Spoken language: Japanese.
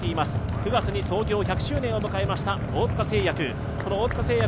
９月に創業１００周年を迎えました大塚製薬。